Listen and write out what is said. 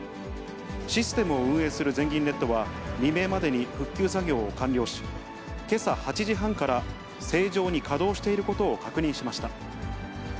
システムを運営する全銀ネットは、未明までに復旧作業を完了し、けさ８時半から、正常に稼働していることを確認しました。